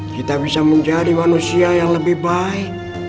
kita bisa menjadi manusia yang lebih baik